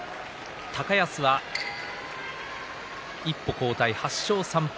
高安は一歩後退、８勝３敗。